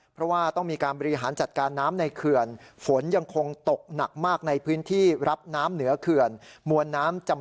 เพราะว่าต้องมีการบริหารจัดการน้ำในเขื่อน